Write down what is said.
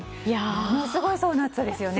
ものすごい層の厚さですよね。